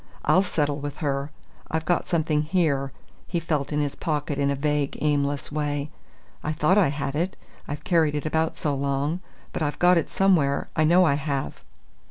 I'll settle with her! I've got something here " he felt in his pocket in a vague, aimless way. "I thought I had it, I've carried it about so long; but I've got it somewhere, I know I have!"